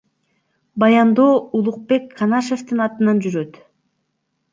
Баяндоо Улукбек Канашевдин атынан жүрөт.